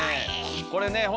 これね